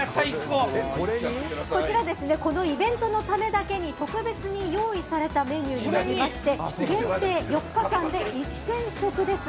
このイベントのためだけに特別に用意されたメニューになっていまして限定４日間で１０００食です。